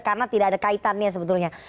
karena tidak ada kaitannya sebetulnya